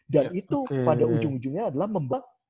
dan itu pada ujung ujungnya adalah membuat